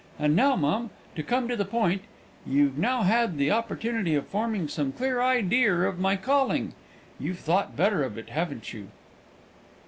And now, mum, to come to the point; you've now had the opportunity of forming some ideer of my calling. You've thought better of it, haven't you?"